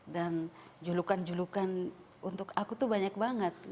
dan julukan julukan untuk aku tuh banyak banget